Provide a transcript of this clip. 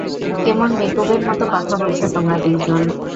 কেমন বেকুবের মতো কথা বলছো তোমরা দুইজন।